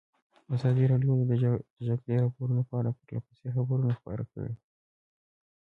ازادي راډیو د د جګړې راپورونه په اړه پرله پسې خبرونه خپاره کړي.